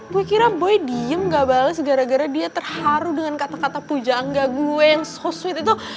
gue kira boy diem gak bales gara gara dia terharu dengan kata kata pujangga gue yang sosweet itu